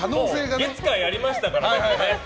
月火やりましたからね。